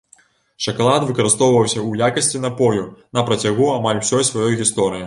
Шакалад выкарыстоўваўся ў якасці напою на працягу амаль усёй сваёй гісторыі.